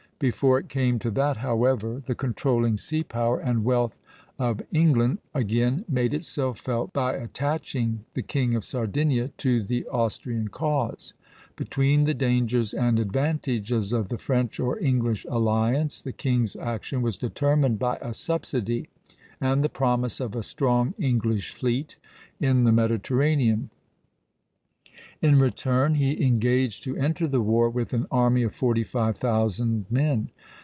Before it came to that, however, the controlling sea power and wealth of England again made itself felt by attaching the King of Sardinia to the Austrian cause. Between the dangers and advantages of the French or English alliance the king's action was determined by a subsidy and the promise of a strong English fleet in the Mediterranean; in return he engaged to enter the war with an army of forty five thousand men.